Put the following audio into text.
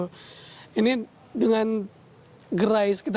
yang akan berkeliling untuk mengingatkan untuk menggunakan maskar seperti itu